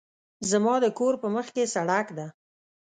زما د کور په مخکې سړک ده